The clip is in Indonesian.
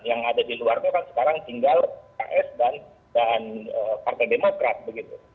yang ada di luarnya kan sekarang tinggal ps dan partai demokrat begitu